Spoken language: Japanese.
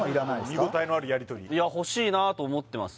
見応えのあるやりとりと思ってます